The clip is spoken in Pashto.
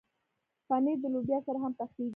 پنېر د لوبیا سره هم پخېږي.